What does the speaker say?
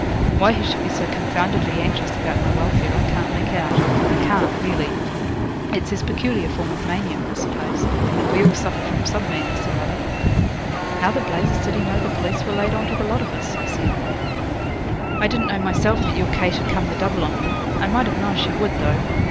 Why he should be so confoundedly anxious about my welfare I can't make out I can't, really. It's his peculiar form of mania, I suppose. We all suffer from some madness or other.' 'How the blazes did he know the police were laid on to the lot of us?' I said. 'I didn't know myself that your Kate had come the double on you. I might have known she would, though.